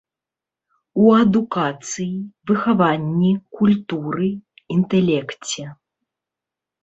У адукацыі, выхаванні, культуры, інтэлекце.